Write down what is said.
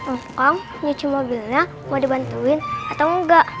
om kong nyuci mobilnya mau dibantuin atau engga